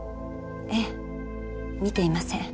ええ見ていません。